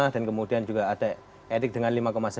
dan kemudian juga ada erik dengan lima sembilan